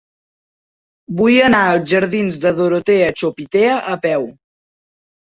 Vull anar als jardins de Dorotea Chopitea a peu.